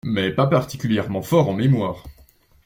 Mais pas particulièrement forts en mémoire.